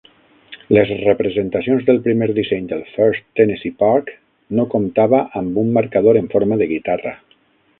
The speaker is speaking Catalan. Les representacions del primer disseny del First Tennessee Park no comptava amb un marcador en forma de guitarra.